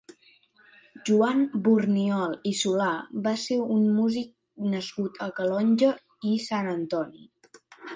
Joan Burniol i Solà va ser un músic nascut a Calonge i Sant Antoni.